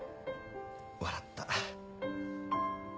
笑った。